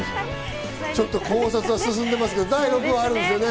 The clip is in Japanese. ちょっと考察は進んでますが、第６話がまたあるんですよね。